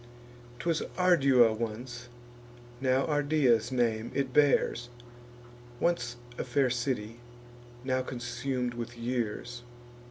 'Twas Ardua once; now Ardea's name it bears; Once a fair city, now consum'd with years.